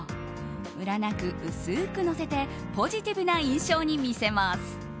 ムラなく薄くのせてポジティブな印象に見せます。